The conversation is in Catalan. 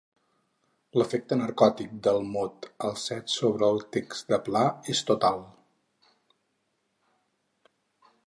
L'efecte narcòtic del mot al set sobre el text de Pla és total.